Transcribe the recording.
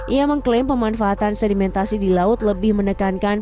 ia mengklaim pemanfaatan sedimentasi di laut lebih menekankan